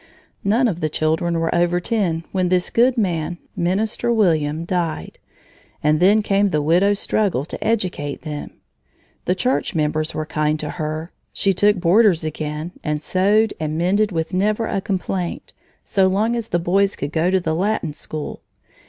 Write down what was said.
None of the children were over ten when this good man, Minister William, died. And then came the widow's struggle to educate them. The church members were kind to her; she took boarders again, and sewed and mended with never a complaint, so long as the boys could go to the Latin School.